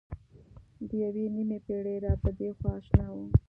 د یوې نیمې پېړۍ را پدېخوا اشنا وه.